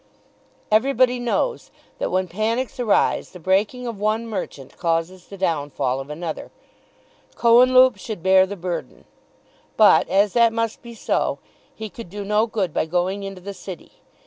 Everybody knows that when panics arise the breaking of one merchant causes the downfall of another. Cohenlupe should bear the burden. But as that must be so, he could do no good by going into the City.